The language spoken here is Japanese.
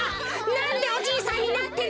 なんでおじいさんになってんだよ！